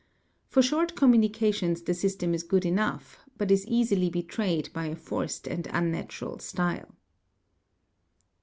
For short communications the system is good enough but is easily betrayed by a forced and unnatural style.